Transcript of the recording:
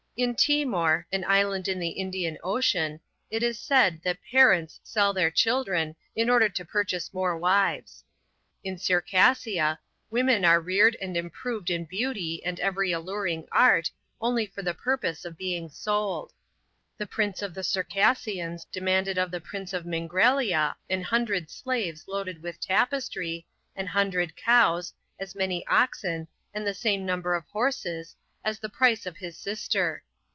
In Timor, an island in the Indian Ocean, it is said, that parents sell their children in order to purchase more wives. In Circassia, women are reared and improved in beauty and every alluring art, only for the purpose of being sold. The prince of the Circassians demanded of the prince of Mingrelia an hundred slaves loaded with tapestry, an hundred cows, as many oxen, and the same number of horses, as the price of his sister.